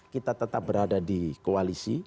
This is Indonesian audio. kita tetap berada di koalisi